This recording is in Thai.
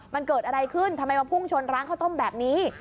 มันเกิดอะไรขึ้นทำไมมาพุ่งชนร้านข้าวต้มแบบนี้